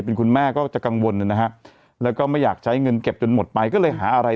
เป็นคุณแม่ก็จะกังวลนะฮะแล้วก็ไม่อยากใช้เงินเก็บจนหมดไปก็เลยหาอะไร